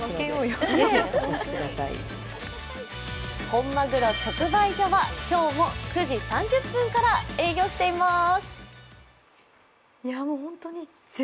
本まぐろ直売所は、今日も９時３０分から営業しています。